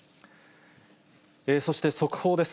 そして速報です。